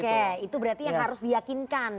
oke itu berarti yang harus diyakinkan